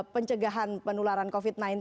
pencegahan penularan covid sembilan belas